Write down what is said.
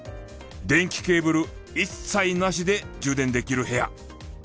電気ケーブル一切なしで充電できる部屋。